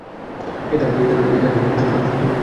এই ধারার স্বতন্ত্র কিছু বৈশিষ্ট্য আছে।